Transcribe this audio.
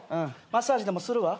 マッサージでもするわ。